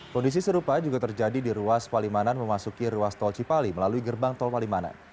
kondisi serupa juga terjadi di ruas palimanan memasuki ruas tol cipali melalui gerbang tol palimanan